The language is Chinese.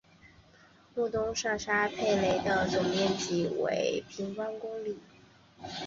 穆东上沙佩勒的总面积为平方公里。